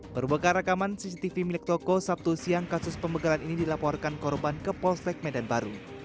berbeka rekaman cctv milik toko sabtu siang kasus pembegalan ini dilaporkan korban ke polsek medan baru